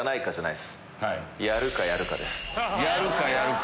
やるかやるか！